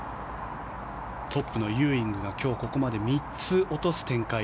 トップのユーイングが今日ここまで３つ落とす展開。